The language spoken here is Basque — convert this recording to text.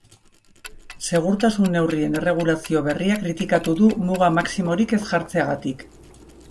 Segurtasun neurrien erregulazio berria kritikatu du, muga maximorik ez jartzegatik.